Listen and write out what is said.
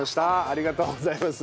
ありがとうございます。